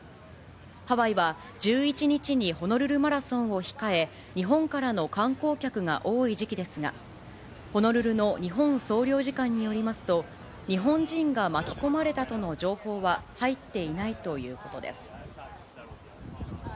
ハワイは、１１日にホノルルマラソンを控え、日本からの観光客が多い時期ですが、ホノルルの日本総領事館によりますと、日本人が巻き込まれたとの情報は入っていないということです。